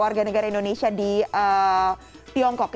warga negara indonesia di tiongkok